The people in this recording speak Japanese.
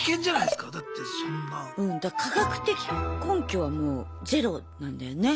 うんだから科学的根拠はもうゼロなんだよね。